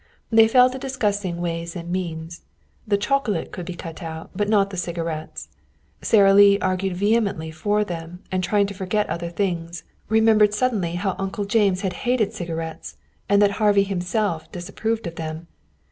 They fell to discussing ways and means. The chocolate could be cut out, but not the cigarettes. Sara Lee, arguing vehemently for them and trying to forget other things, remembered suddenly how Uncle James had hated cigarettes, and that Harvey himself disapproved of them.